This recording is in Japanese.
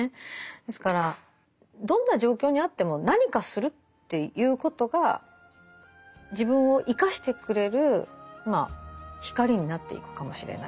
ですからどんな状況にあっても何かするっていうことが自分を生かしてくれる光になっていくかもしれない。